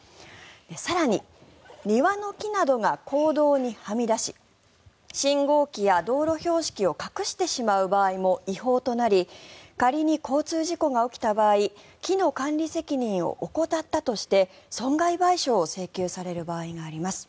更に庭の木などが公道にはみ出し信号機や道路標識を隠してしまう場合も違法となり仮に交通事故が起きた場合木の管理責任を怠ったとして損害賠償を請求される場合があります。